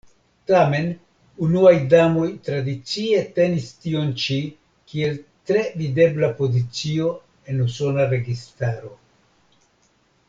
Tamen, unuaj damoj tradicie tenis tion ĉi kiel tre videbla pozicio en Usona registaro.